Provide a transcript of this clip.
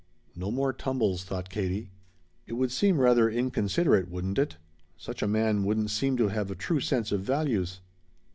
"No more tumbles!" thought Katie. "It would seem rather inconsiderate, wouldn't it? Such a man wouldn't seem to have a true sense of values."